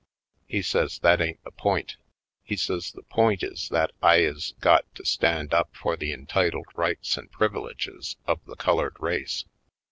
He says that ain't the point; he says the point is that I is got to stand up for the entitled rights and privileges of the colored race.